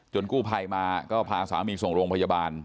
กู้ภัยมาก็พาสามีส่งโรงพยาบาล